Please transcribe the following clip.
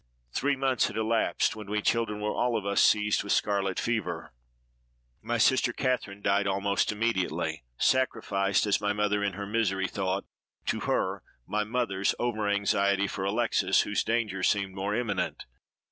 "Three months had elapsed, when we children were all of us seized with scarlet fever. My sister Catherine died almost immediately—sacrificed, as my mother in her misery thought, to her (my mother's) over anxiety for Alexes, whose danger seemed more imminent.